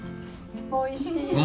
おいしい。